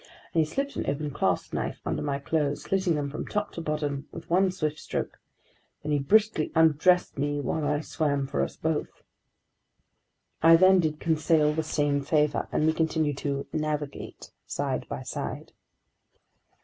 And he slipped an open clasp knife under my clothes, slitting them from top to bottom with one swift stroke. Then he briskly undressed me while I swam for us both. I then did Conseil the same favor, and we continued to "navigate" side by side.